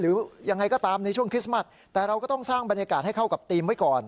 หรือยังไงก็ตามในช่วงคริสต์มัสแต่เราก็ต้องสร้างบรรยากาศให้เข้ากับทีมไว้ก่อน